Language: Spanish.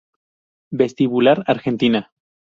Vestibular Argentina